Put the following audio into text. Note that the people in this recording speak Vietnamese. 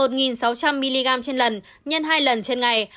uống sáu trăm linh mg trên lần nhân hai lần trên ngày